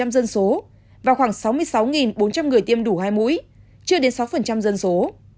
ba dân số và khoảng sáu mươi sáu bốn trăm linh người tiêm đủ hai mũi chưa đến sáu dân số